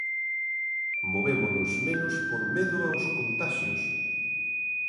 Movémonos menos por medo aos contaxios.